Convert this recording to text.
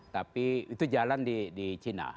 tapi itu jalan di cina